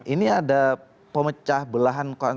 ini ada pemecah belahan